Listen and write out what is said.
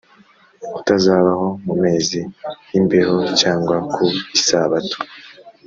kutazabaho mu mezi y imbeho cyangwa ku isabato